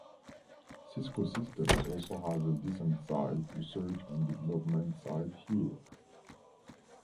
Cisco Systems also has a decent sized Research and Development site here.